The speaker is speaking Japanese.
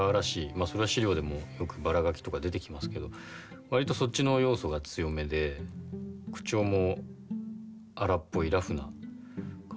あそれは史料でもよくバラガキとか出てきますけど割とそっちの要素が強めで口調も荒っぽいラフな感じの人になってるんじゃないですかね。